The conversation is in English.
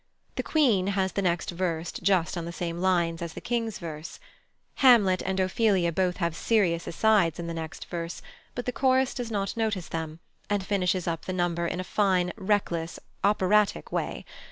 The Queen has the next verse just on the same lines as the King's verse. Hamlet and Ophelia both have serious asides in the next verse, but the chorus does not notice them, and finishes up the number in a fine, reckless operatic way.